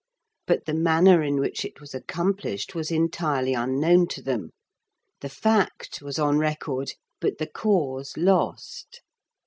But the manner in which it was accomplished was entirely unknown to them; the fact was on record, but the cause lost.